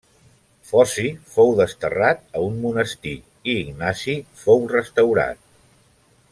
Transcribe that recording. Foci fou desterrat a un monestir i Ignasi fou restaurat.